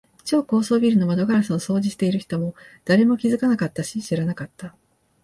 超高層ビルの窓ガラスを掃除している人も、誰も気づかなかったし、知らなかった。